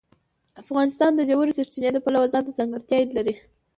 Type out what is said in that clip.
افغانستان د ژورې سرچینې د پلوه ځانته ځانګړتیا لري.